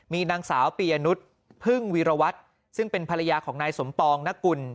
มีนางสาวปียนุษย์พึ่งวีรวัตรซึ่งเป็นภรรยาของนายสมปองนกุล